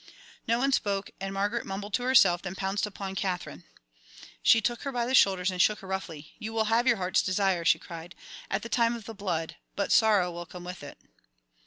No one spoke, and Margaret mumbled to herself, then pounced upon Katherine. She took her by the shoulders and shook her roughly. "You will have your heart's desire," she cried, "at the time of the blood, but sorrow will come with it!"